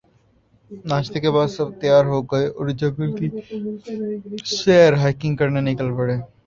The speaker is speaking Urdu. ناشتے کے بعد سب تیار ہو گئے اور جنگل کی سیر ہائیکنگ کرنے نکل پڑے